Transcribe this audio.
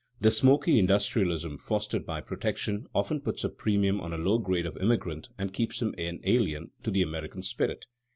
The smoky industrialism fostered by protection often puts a premium on a low grade of immigrant and keeps him an alien to the American spirit.